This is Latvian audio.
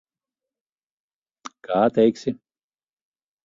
Kā teiksi.